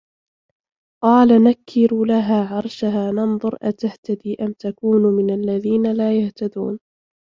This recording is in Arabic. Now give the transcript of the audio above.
قالَ نَكِّروا لَها عَرشَها نَنظُر أَتَهتَدي أَم تَكونُ مِنَ الَّذينَ لا يَهتَدونَ